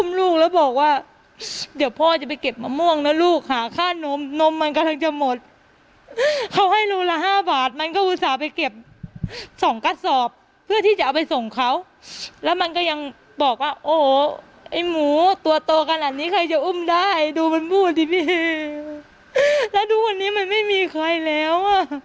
ลูกแล้วบอกว่าเดี๋ยวพ่อจะไปเก็บมะม่วงนะลูกหาค่านมนมมันกำลังจะหมดเขาให้โลละห้าบาทมันก็อุตส่าห์ไปเก็บสองกระสอบเพื่อที่จะเอาไปส่งเขาแล้วมันก็ยังบอกว่าโอ้ไอ้หมูตัวโตขนาดนี้ใครจะอุ้มได้ดูมันพูดดีนี่แล้วดูวันนี้มันไม่มีใครแล้วอ่ะ